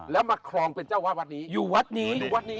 แล้วมาครองเป็นเจ้าวัดนี้อยู่วัดนี้